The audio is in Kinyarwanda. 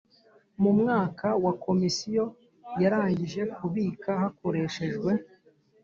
mu mwaka wa Komisiyo yarangije kubika hakoreshejwe